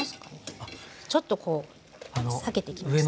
ちょっとこう裂けてきましたよね。